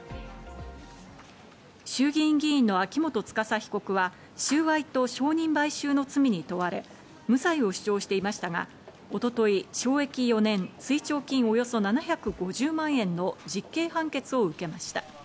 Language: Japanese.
衆議院議員の秋元司被告は収賄と承認買収の罪に問われ、無罪を主張していましたが、一昨日、懲役４年、追徴金およそ７５０万円の実刑判決を受けました。